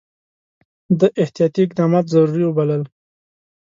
ده احتیاطي اقدامات ضروري وبلل.